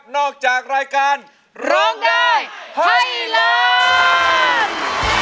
นอกจากรายการร้องได้ไทยล้าง